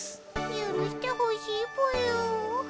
ゆるしてほしいぽよ。